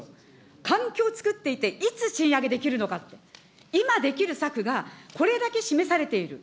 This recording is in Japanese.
環境をつくっていていつ賃上げできるのかって、今できる策が、これだけ示されている。